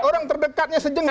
orang terdekatnya sejengkar